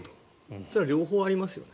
それは両方ありますよ。